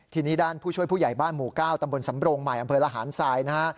ทีนี้ด้านผู้ช่วยผู้ใหญ่บ้านหมู่๙ตำบลสำโรงใหม่อำเภอระหารทรายนะฮะ